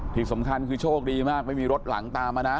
ที่สำคัญคือโชคดีมากไม่มีรถหลังตามมานะ